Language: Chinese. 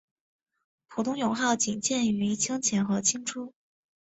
普通勇号仅见于清前和清初。